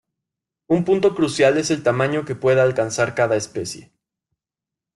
Un punto crucial es el tamaño que puede alcanzar cada especie.